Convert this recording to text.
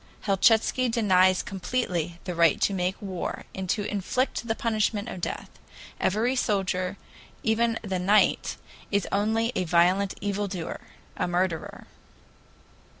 Helchitsky denies completely the right to make war and to inflict the punishment of death; every soldier, even the 'knight,' is only a violent evil doer a murderer."